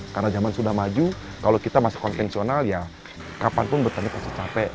karena zaman sudah maju kalau kita masih konvensional ya kapanpun bertanian pasti capek